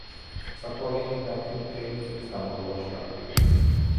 სათვალიანი დათვი მთელი წლის განმავლობაში აქტიურია.